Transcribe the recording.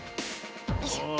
よいしょ。